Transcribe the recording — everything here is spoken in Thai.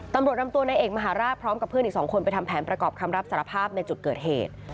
ตำรวจนำตัวในเอกมหาราชพร้อมกับเพื่อนอีก๒คนไปทำแผนประกอบคำรับสารภาพในจุดเกิดเหตุ